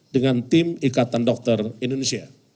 dengan tim ikatan dokter indonesia